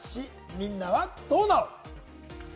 みんなはどうなの？